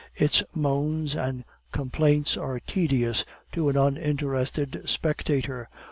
Its moans and complaints are tedious to an uninterested spectator.